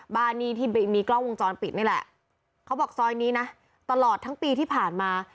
บ้านนี้ที่มีกล้องวงจรปิดนี่แหละเขาบอกซอยนี้นะตลอดทั้งปีที่ผ่านมา